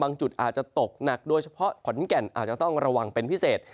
จุดอาจจะตกหนักโดยเฉพาะขอนแก่นอาจจะต้องระวังเป็นพิเศษ